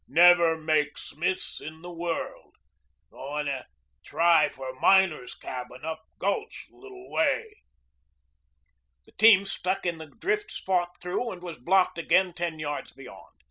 "Never make Smith's in the world. Goin' try for miner's cabin up gulch little way." The team stuck in the drifts, fought through, and was blocked again ten yards beyond.